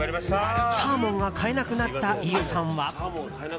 サーモンが買えなくなった飯尾さんは。